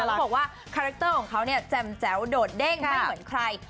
แล้วบอกว่าคาแรคเตอร์ของเขาเนี่ยแจ่มแจ๋วโดดเด้งไม่เหมือนใคร